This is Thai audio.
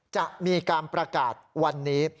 จะมีการประกาศวันนี้